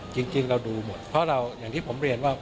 จริงเราดูหมดเพราะเราอย่างที่ผมเรียนว่า